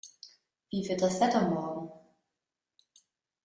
Wie wird das Wetter morgen?